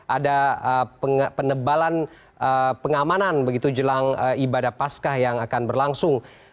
ada penebalan pengamanan begitu jelang ibadah pascah yang akan berlangsung